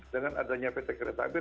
dengan adanya pt kereta api